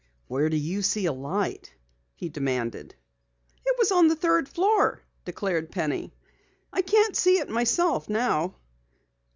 "Where do you see a light?" he demanded. "It was on the third floor," declared Penny. "I can't see it myself now."